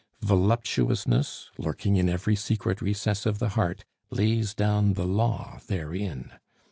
Voluptuousness, lurking in every secret recess of the heart, lays down the law therein.